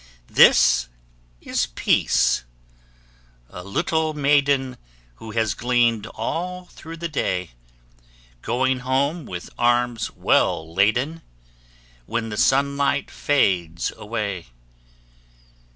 This is Peace: a little maiden Who has gleaned all through the day, Going home with arms well laden, When the sunlight fades away.